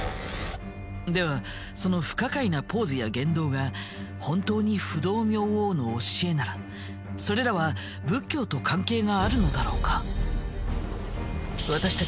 ではその不可解なポーズや言動が本当に不動明王の教えならそれらは仏教と関係があるのだろうか？